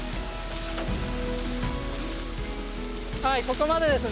はいここまでですね。